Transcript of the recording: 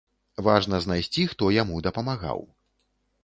Важна знайсці, хто яму дапамагаў.